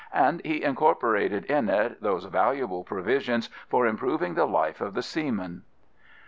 And he incorporated in it those valuable provisions for improving the life of the seamen.